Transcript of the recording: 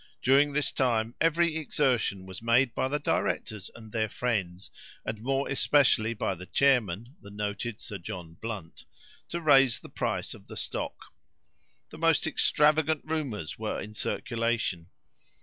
During this time every exertion was made by the directors and their friends, and more especially by the chairman, the noted Sir John Blunt, to raise the price of the stock. The most extravagant rumours were in circulation.